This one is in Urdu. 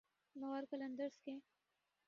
لاہور قلندرز کے